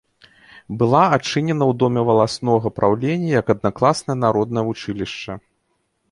Была адчынена ў доме валаснога праўлення як аднакласнае народнае вучылішча.